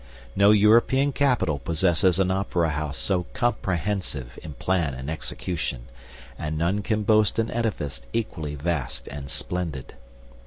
No European capital possesses an opera house so comprehensive in plan and execution, and none can boast an edifice equally vast and splendid.